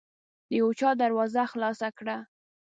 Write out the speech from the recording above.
يو چا دروازه خلاصه کړه.